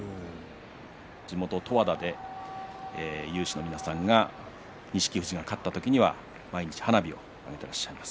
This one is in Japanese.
地元、十和田で有志の皆さんが錦富士が勝った時には毎日花火を上げていらっしゃいます。